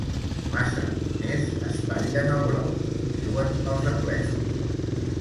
Massa cuiners espatllen el brou, diuen els anglesos.